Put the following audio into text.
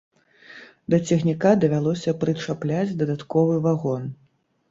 Да цягніка давялося прычапляць дадатковы вагон.